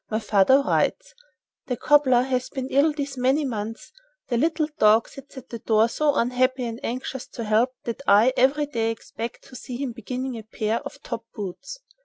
My father writes: "The cobbler has been ill these many months. The little dog sits at the door so unhappy and anxious to help that I every day expect to see him beginning a pair of top boots."